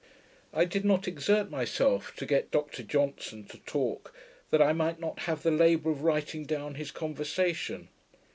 I did not exert myself to get Dr Johnson to talk, that I might not have the labour of writing down his conversation.